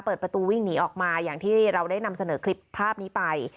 เปิดประตูวิ่งหนีออกมาอย่างที่เราได้นำเสนอคลิปภาพนี้ไป